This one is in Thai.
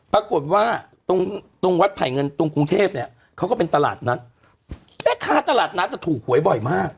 ปรากฏว่าตรงตรงวัดไผ่เงินตรงกรุงเทพเนี่ยเขาก็เป็นตลาดนัดแม่ค้าตลาดนัดจะถูกหวยบ่อยมาก